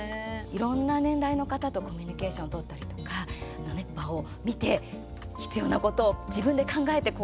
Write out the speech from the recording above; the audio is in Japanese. いろんな年代の方とコミュニケーション取ったりとか場を見て、必要なことを自分で考えて行動する力。